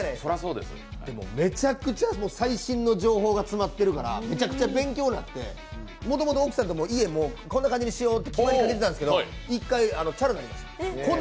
でも、めちゃくちゃ最新の情報が詰まってるからめちゃくちゃ勉強になって、もともと奥さんとも家、こんな感じにしようって決まりかけてたんですけど、一回チャラになりました。